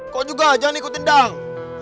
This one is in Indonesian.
kau juga jangan ikut tendang